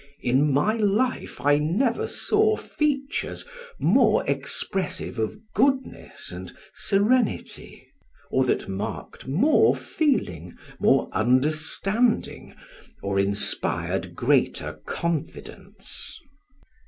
In my life I never saw features more expressive of goodness and serenity, or that marked more feeling, more understanding, or inspired greater confidence.